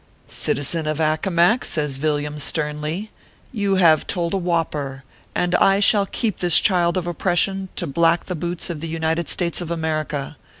" Citizen "of Accomac," says Villiam, sternly, "you have told a whopper ; and I shall keep this child of oppression to black the boots of the United States of America.